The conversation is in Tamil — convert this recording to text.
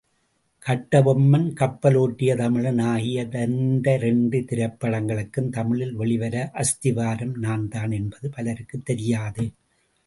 கட்டபொம்மன் கப்பலோட்டிய தமிழன் ஆகிய இந்த இரண்டு திரைப்படங்களும் தமிழில் வெளிவர அஸ்திவாரம் நான்தான் என்பது பலருக்குத் தெரியாது.